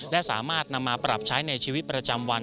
และสามารถนำมาปรับใช้ในชีวิตประจำวัน